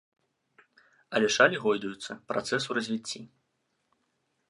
Але шалі гойдаюцца, працэс у развіцці.